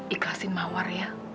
ikhlasin mawar ya